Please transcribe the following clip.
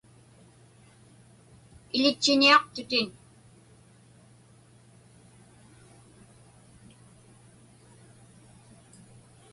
Iḷitchiñiaqtutin.